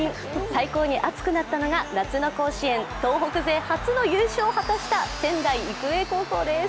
最高に熱くなったのが夏の甲子園東北勢初の優勝を果たした仙台育英高校です。